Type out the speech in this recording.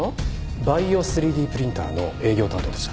バイオ３Ｄプリンターの営業担当でした。